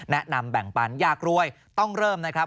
แนะนำแบ่งปันอยากรวยต้องเริ่มนะครับ